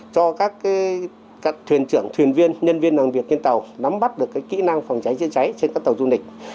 cho các thuyền trưởng thuyền viên nhân viên làm việc trên tàu nắm bắt được kỹ năng phòng cháy chữa cháy trên các tàu du lịch